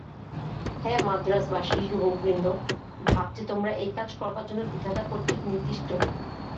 হে মান্দ্রাজবাসী যুবকবৃন্দ, ভাব যে তোমরা এই কাজ করবার জন্য বিধাতা কর্তৃক নির্দিষ্ট।